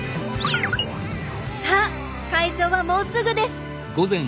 さあ会場はもうすぐです。